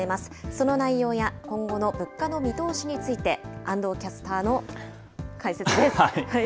その内容や今後の物価の見通しについて、安藤キャスターの解説です。